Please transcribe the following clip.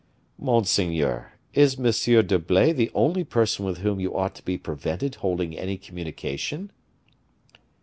"Monseigneur, is M. d'Herblay the only person with whom you ought to be prevented holding any communication?"